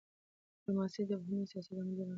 ډيپلوماسي د بهرني سیاست عملي بڼه ده.